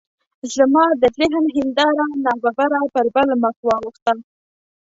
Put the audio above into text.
زما د ذهن هنداره ناببره پر بل مخ واوښته.